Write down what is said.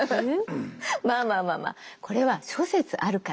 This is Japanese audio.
まあまあまあまあこれは諸説あるから。